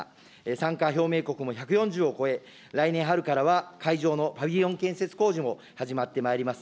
参加表明国も１４０を超え、来年春からは会場のパビリオン建設工事も始まってまいります。